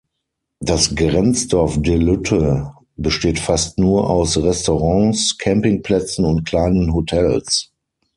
Das Grenzdorf De Lutte besteht fast nur aus Restaurants, Campingplätzen und kleinen Hotels.